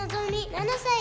７歳。